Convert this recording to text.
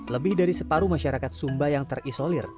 lebih dari separuh masyarakat sumba yang terisolir